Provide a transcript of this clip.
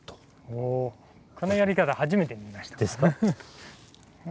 おおこのやり方初めて見ました。ですか？